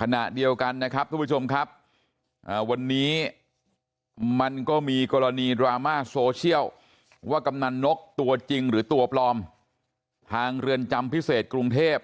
ขณะเดียวกันนะครับทุกผู้ชมครับวันนี้มันก็มีกรณีดราม่าโซเชียลว่ากำนันนกตัวจริงหรือตัวปลอมทางเรือนจำพิเศษกรุงเทพ